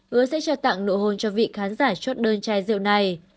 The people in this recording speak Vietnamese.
hứa sẽ cho tặng nụ hôn cho vị khán giả chốt đơn chai rượu này